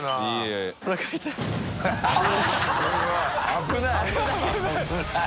「危ない」